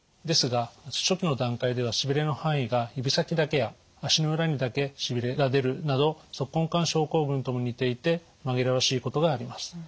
ですが初期の段階ではしびれの範囲が指先だけや足の裏にだけしびれが出るなど足根管症候群とも似ていて紛らわしいことがあります。